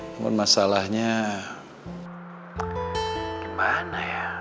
namun masalahnya gimana ya